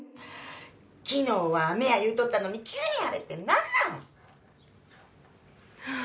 昨日は雨や言うとったのに急に晴れって何なん！？